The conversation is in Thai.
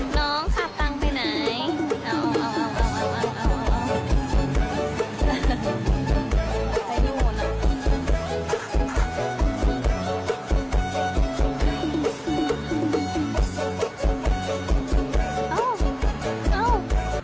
น้องขับตังค์ไปไหนเอาเอาเอาเอาเอาเอาเอาเอา